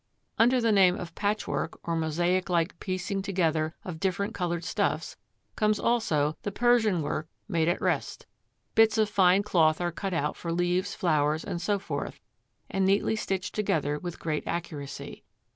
Under the name of patchwork, or mosaic like piecing together of different coloured stuffs, comes also the Persian work made at Resht. Bits of fine cloth are cut out for leaves, flowers, and so forth, and neatly stitched together with great accuracy.